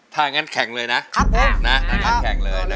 ถ้าอย่างงั้นแข่งเลยนะ